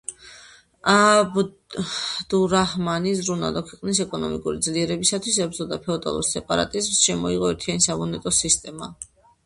აბდურაჰმანი ზრუნავდა ქვეყნის ეკონომიკური ძლიერებისათვის, ებრძოდა ფეოდალურ სეპარატიზმს, შემოიღო ერთიანი სამონეტო სისტემა.